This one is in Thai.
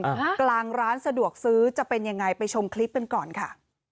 ฮะกลางร้านสะดวกซื้อจะเป็นยังไงไปชมคลิปกันก่อนค่ะ